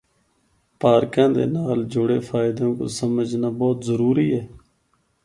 پارکاں دے نال جڑے فائدیاں کو سمجھنا بہت ضروری ہے۔